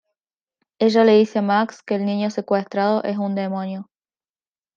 Ella le dice a Max que el niño secuestrado es un demonio.